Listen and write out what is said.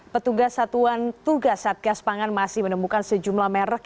petugas satuan tugas satgas pangan masih menemukan sejumlah merek